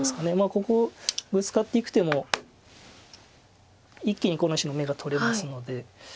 ここブツカっていく手も一気にこの石の眼が取れますので。